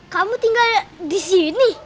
kamu tinggal di sini